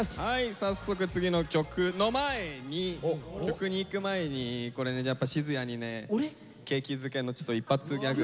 早速次の曲の前に曲にいく前にこれやっぱ閑也にね景気づけの一発ギャグを。